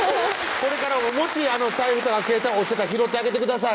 これからももし財布とか携帯落ちてたら拾ってあげてください